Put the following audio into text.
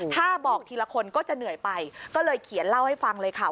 ถ้าบอกทีละคนก็จะเหนื่อยไปก็เลยเขียนเล่าให้ฟังเลยค่ะ